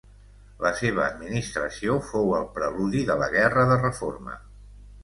La seva administració fou el preludi de la Guerra de Reforma.